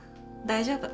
大丈夫。